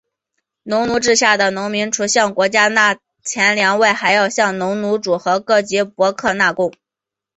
农奴制下的农民除向国家缴纳钱粮外还要向农奴主和各级伯克纳贡。